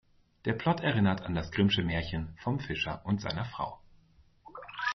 Der Plot erinnert an das Grimm’sche Märchen "Vom Fischer und seiner Frau".